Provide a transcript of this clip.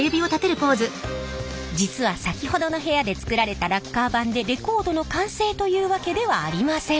実はさきほどの部屋で作られたラッカー盤でレコードの完成というわけではありません。